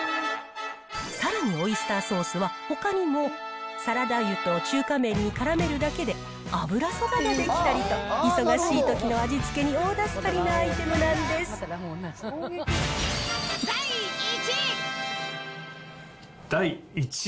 さらにオイスターソースはほかにもサラダ油と中華麺にからめるだけで、油そばが出来たりと、忙しいときの味付けに大助かりなアイテムな第１位。